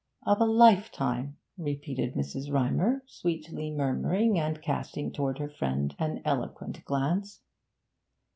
'Of a lifetime,' repeated Mrs. Rymer, sweetly murmuring, and casting towards her friend an eloquent glance.